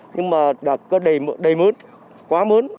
nhưng mà đặt đầy mớn quá mớn